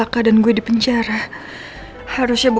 kapanpun aku mau